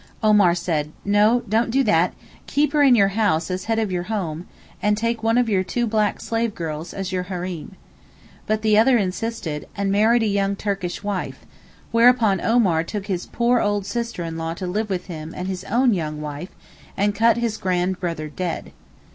Omar said, 'No, don't do that; keep her in your house as head of your home, and take one of your two black slave girls as your Hareem.' But the other insisted, and married a young Turkish wife; whereupon Omar took his poor old sister in law to live with him and his own young wife, and cut his grand brother dead.